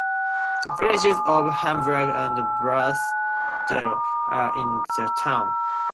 The villages of Hamburg and Blasdell are in the town.